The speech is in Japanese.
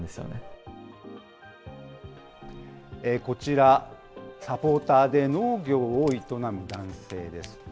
こちら、サポーターで農業を営む男性です。